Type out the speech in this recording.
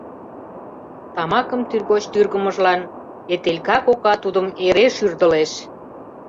Тамакым тӱргоч тӱргымыжлан Этелька кока тудым эре шӱрдылеш.